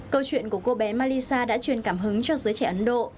câu chuyện của cô bé malisa đã truyền cảm hứng cho giới trẻ ấn độ